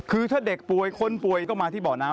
คือถ้าเด็กป่วยคนป่วยก็มาที่บ่อน้ำ